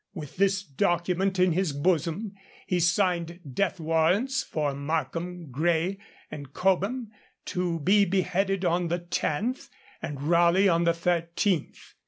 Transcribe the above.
With this document in his bosom, he signed death warrants for Markham, Gray, and Cobham to be beheaded on the 10th, and Raleigh on the 13th.